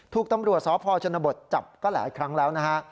ถูกตำรวจสพชนบทจับก็หลายครั้งแล้วนะฮะ